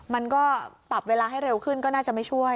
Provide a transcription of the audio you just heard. มันก็ปรับเวลาให้เร็วขึ้นก็น่าจะไม่ช่วย